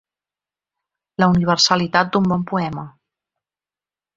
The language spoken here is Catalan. La universalitat d’un bon poema.